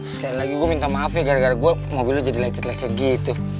sekali lagi gue minta maaf ya gara gara gue mobilnya jadi lecet lecet gitu